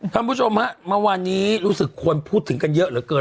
คุณผู้ชมฮะเมื่อวานนี้รู้สึกควรพูดถึงกันเยอะเหลือเกิน